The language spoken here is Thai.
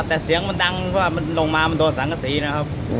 แต่เสียงมันดังลงมามันโดนสังศรีนะครับ